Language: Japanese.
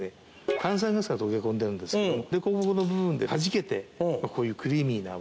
炭酸ガスが溶け込んでるんですけど凸凹の部分ではじけてこういうクリーミーな泡が。